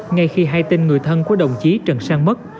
ngay khi hai tên người thân của đồng chí trần sang mất